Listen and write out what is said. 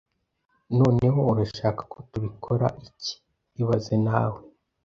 Noneho, urashaka ko tubikora iki ibaze nawe